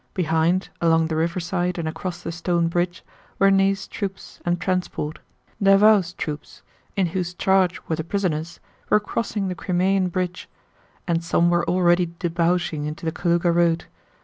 Behind, along the riverside and across the Stone Bridge, were Ney's troops and transport. Davout's troops, in whose charge were the prisoners, were crossing the Crimean bridge and some were already debouching into the Kalúga road.